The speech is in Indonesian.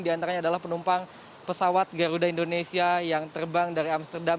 di antaranya adalah penumpang pesawat garuda indonesia yang terbang dari amsterdam